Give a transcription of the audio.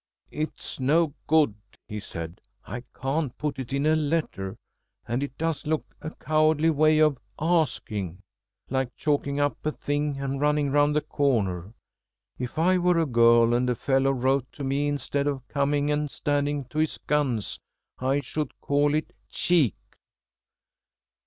"It's no good," he said. "I can't put it in a letter, and it does look a cowardly way of asking. Like chalking up a thing and running round the corner. If I were a girl and a fellow wrote to me instead of coming and standing to his guns, I should call it cheek."